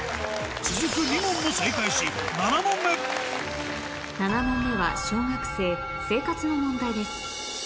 続く２問も正解し７問目７問目は小学生生活の問題です